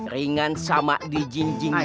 ringan sama di jinjing